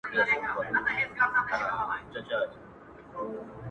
جـنــگ له فريادي ســــره~